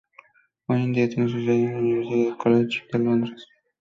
Hoy en día tiene su sede en la University College de Londres.